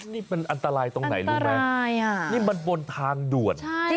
นี่มันอันตรายตรงไหนรู้ไหมนี่มันบนทางด่วน